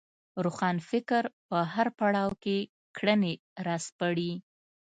روښانفکر په هر پړاو کې کړنې راسپړي